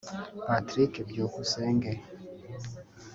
Patrick Byukusenge